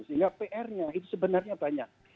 sehingga pr nya itu sebenarnya banyak